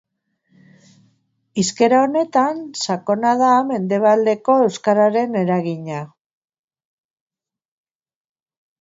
Hizkera honetan sakona da mendebaleko euskararen eragina.